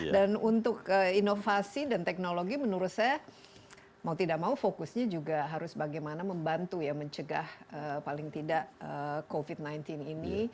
dan untuk inovasi dan teknologi menurut saya mau tidak mau fokusnya juga harus bagaimana membantu ya mencegah paling tidak covid sembilan belas ini